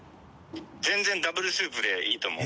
「全然ダブルスープでいいと思う」